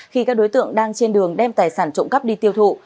khi các đối tượng đang trên đường đem tài sản trộm cắp đi tiêu thụ